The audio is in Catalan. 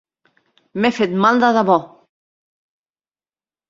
M'he fet mal de debò.